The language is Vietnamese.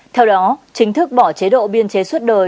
theo đó chính thức bỏ chế độ biên chế suốt đời